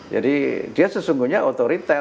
jadi dia sesungguhnya otoriter